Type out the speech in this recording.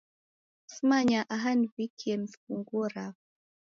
Simanyaa aha niw'ikie mifunguo rapo.